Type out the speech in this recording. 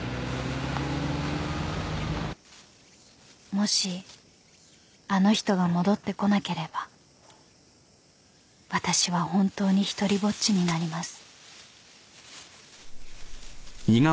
［もしあの人が戻ってこなければ私は本当に独りぼっちになります］